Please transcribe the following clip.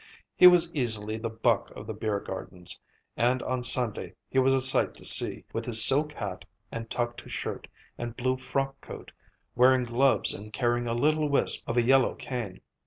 He was easily the buck of the beer gardens, and on Sunday he was a sight to see, with his silk hat and tucked shirt and blue frock coat, wearing gloves and carrying a little wisp of a yellow cane.